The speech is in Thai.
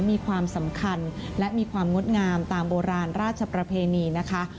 มีความสำคัญและมีความงดงามตามโบราณราชประเพณีนะคะ